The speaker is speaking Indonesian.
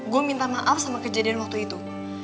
gue minta maaf sama kejadian waktu itu